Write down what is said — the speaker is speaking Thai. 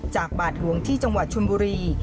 บาทหลวงที่จังหวัดชนบุรี